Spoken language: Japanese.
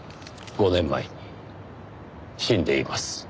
５年前に死んでいます。